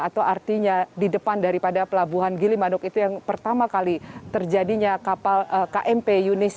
atau artinya di depan daripada pelabuhan gilimanuk itu yang pertama kali terjadinya kapal kmp yunis